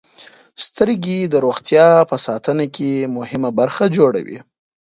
• سترګې د روغتیا په ساتنه کې مهمه برخه جوړوي.